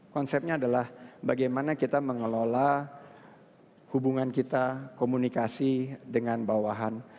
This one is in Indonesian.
konsepnya adalah bagaimana kita mengelola hubungan kita komunikasi dengan bawahan